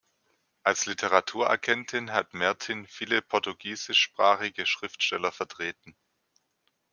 Als Literaturagentin hat Mertin viele portugiesischsprachige Schriftsteller vertreten.